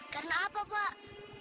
karena apa pak